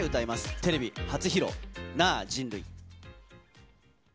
テレビ初披露、なぁ人類。